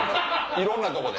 いろんなとこで。